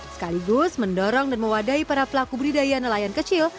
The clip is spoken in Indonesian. sekaligus mendorong dan mewadai para pelaku budidaya nelayan kecil